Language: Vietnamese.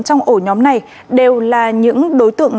trong ổ nhóm này đều là những đối tượng